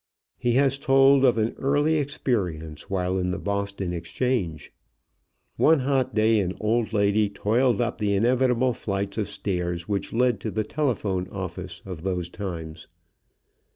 He has told of an early experience while in the Boston exchange: One hot day an old lady toiled up the inevitable flights of stairs which led to the telephone office of those times.